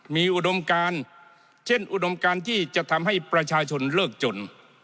มีอุดมการเช่นอุดมการที่จะทำให้ประชาชนเลิกจน